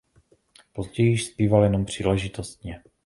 Později již zpíval jenom příležitostně.